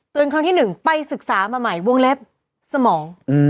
ครั้งที่๑ไปศึกษามาใหม่วงเล็บสมอง